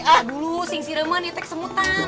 ah dulu sing siremen di tek semutan